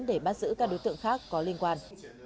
để bắt giữ các đối tượng khác có liên quan